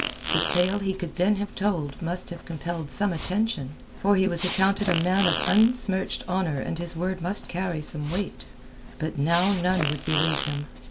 The tale he could then have told must have compelled some attention, for he was accounted a man of unsmirched honour and his word must carry some weight. But now none would believe him.